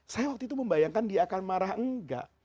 saya waktu itu membayangkan dia akan marah enggak